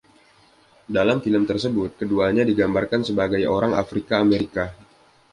Dalam film tersebut, keduanya digambarkan sebagai orang Afrika-Amerika.